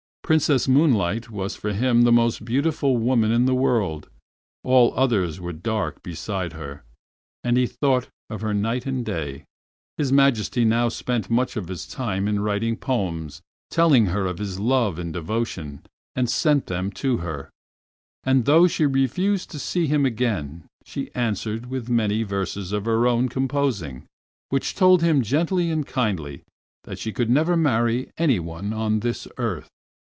Princess Moonlight was for him the most beautiful woman in the world; all others were dark beside her, and he thought of her night and day. His Majesty now spent much of his time in writing poems, telling her of his love and devotion, and sent them to her, and though she refused to see him again she answered with many verses of her own composing, which told him gently and kindly that she could never marry any one on this earth.